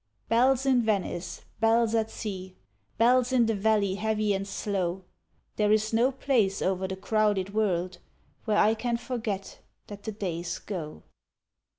Bells in Venice, bells at sea, Bells in the valley heavy and slow There is no place over the crowded world Where I can forget that the days go.